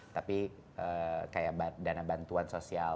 tapi dana bantuan sosial